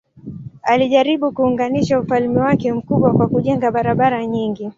Alijaribu kuunganisha ufalme wake mkubwa kwa kujenga barabara nyingi.